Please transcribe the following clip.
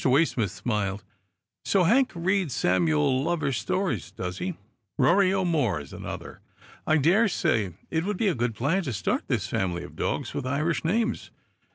Waysmith smiled. " So Hank reads Samuel Lover's stories, does he ?' Rory O'More ' is an other. I daresay it would be a good plan to start this family of dogs with Irish names.